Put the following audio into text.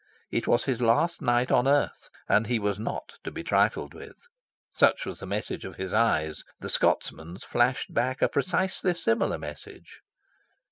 It was his last night on earth, and he was not to be trifled with. Such was the message of his eyes. The Scotsman's flashed back a precisely similar message.